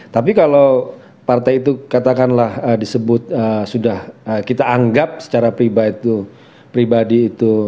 tapi kalau partai itu katakanlah disebut sudah kita anggap secara pribadi itu